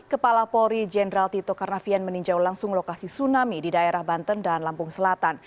kepala polri jenderal tito karnavian meninjau langsung lokasi tsunami di daerah banten dan lampung selatan